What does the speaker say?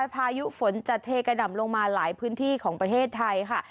พายุฝนจะเทกระดำลงมาหลายพื้นที่ของประเทศไทยค่ะ